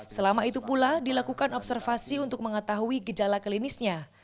selama itu pula dilakukan observasi untuk mengetahui gejala klinisnya